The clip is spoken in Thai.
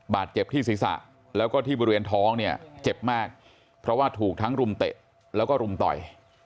บาดเจ็บที่ศีรษะแล้วก็ที่บริเวณท้องเนี่ยเจ็บมากเพราะว่าถูกทั้งรุมเตะแล้วก็รุมต่อย